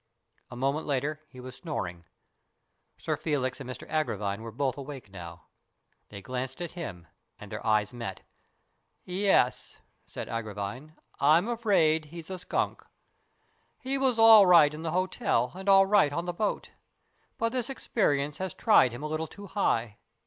A moment later he was snoring. Sir Felix and Mr Agravine were both awake now. They glanced at him and their eyes met. "Yes," said Agravine. " I'm afraid he's a skunk. BURDON'S TOMB 93 He was all right in the hotel and all right on the boat. But this experience has tried him a little too high.